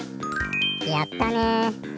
やったね。